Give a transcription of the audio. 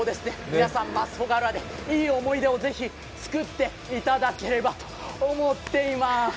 皆さん、増穂浦でいい思い出をぜひ作っていただければと思っています。